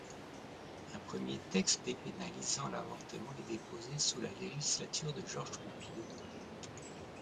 Un premier texte dépénalisant l'avortement est déposé sous la législature de Georges Pompidou.